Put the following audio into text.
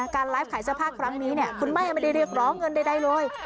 ไลฟ์ขายเสื้อผ้าครั้งนี้คุณแม่ไม่ได้เรียกร้องเงินใดเลย